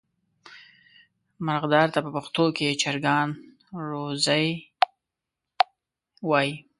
مرغدار ته په پښتو کې چرګان روزی وایي.